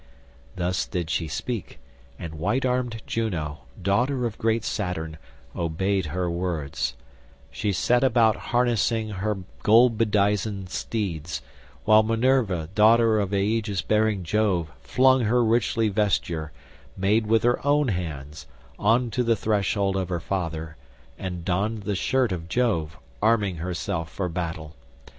Thus did she speak and white armed Juno, daughter of great Saturn, obeyed her words; she set about harnessing her gold bedizened steeds, while Minerva daughter of aegis bearing Jove flung her richly vesture, made with her own hands, on to the threshold of her father, and donned the shirt of Jove, arming herself for battle.